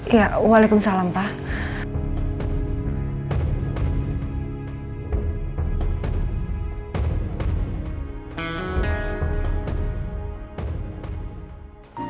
iya waalaikumsalam pak